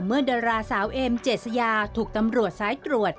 เมื่อดาราสาวเอ็มเจ็ดสยาถูกตำรวจซ้ายตรวจ